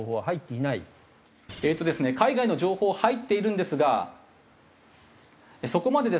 海外の情報入っているんですがそこまでですね